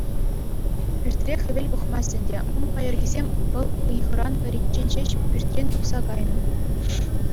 Пӳртре хӗвел пӑхмасть ӗнтӗ, ун пайӑркисем вӑл ыйхӑран тӑриччен ҫеҫ пӳртрен тухса кайнӑ.